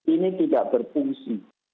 ini tidak berfungsi